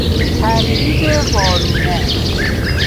ترتیب وارونه